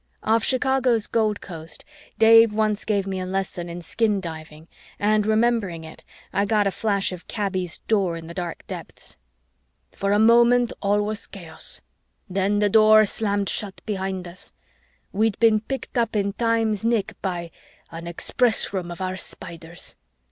Off Chicago's Gold Coast, Dave once gave me a lesson in skin diving and, remembering it, I got a flash of Kaby's Door in the dark depths. "For a moment, all was chaos. Then the Door slammed shut behind us. We'd been picked up in time's nick by an Express Room of our Spiders!